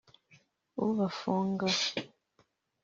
ubafunga